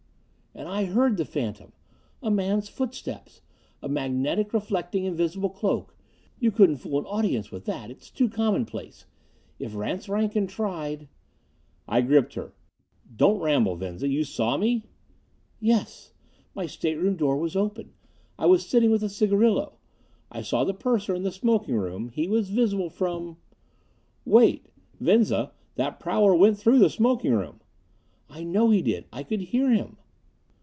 "And I heard the phantom! A man's footsteps. A magnetic reflecting invisible cloak. You couldn't fool an audience with that it's too commonplace. If Rance Rankin tried " I gripped her. "Don't ramble, Venza! You saw me?" "Yes. My stateroom door was open. I was sitting with a cigarillo. I saw the purser in the smoking room. He was visible from " "Wait! Venza, that prowler went through the smoking room!" "I know he did. I could hear him."